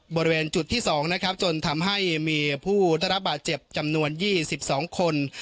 บริเวณจุดที่๒นะครับจนทำให้มีผู้ได้รับบาดเจ็บจำนวน๒๒คน